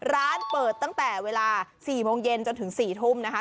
ร้านเปิดตั้งแต่เวลา๔โมงเย็นจนถึง๔ทุ่มนะคะ